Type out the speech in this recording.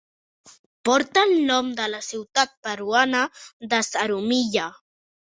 Porta el nom de la ciutat peruana de Zarumilla.